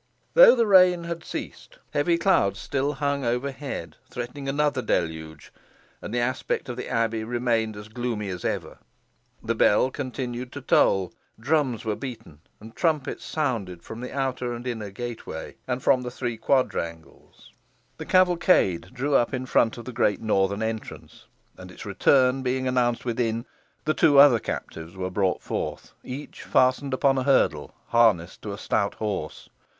Though the rain had ceased, heavy clouds still hung overhead, threatening another deluge, and the aspect of the abbey remained gloomy as ever. The bell continued to toll; drums were beaten; and trumpets sounded from the outer and inner gateway, and from the three quadrangles. The cavalcade drew up in front of the great northern entrance; and its return being announced within, the two other captives were brought forth, each fastened upon a hurdle, harnessed to a stout horse.